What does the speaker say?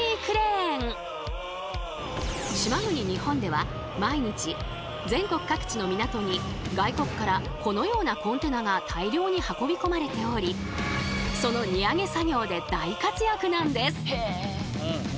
島国日本では毎日全国各地の港に外国からこのようなコンテナが大量に運び込まれておりその荷揚げ作業で大活躍なんです！